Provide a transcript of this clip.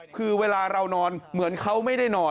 คือเวลาเรานอนเหมือนเขาไม่ได้นอน